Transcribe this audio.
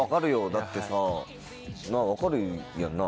だってさなぁ分かるよな？